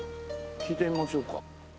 聞いてみましょうか。